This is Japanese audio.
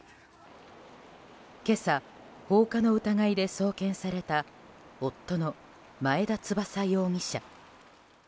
今朝、放火の疑いで送検された夫の前田翼容疑者。